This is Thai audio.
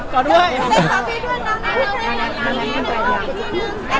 กอดด้วยนะ